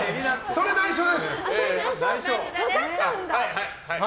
それは内緒です。